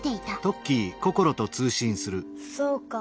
そうか。